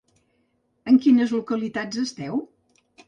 En quines localitats esteu?